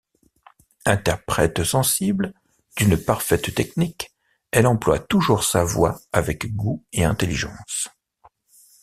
Interprète sensible, d'une parfaite technique, elle emploie toujours sa voix avec goût et intelligence.